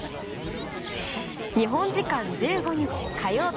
日本時間１５日、火曜日。